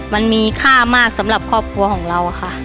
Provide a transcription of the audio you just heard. มันมีค่ามากสำหรับครอบครัวของเราค่ะ